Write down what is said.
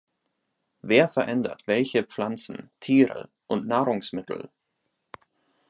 Wer verändert welche Pflanzen, Tiere und Nahrungsmittel?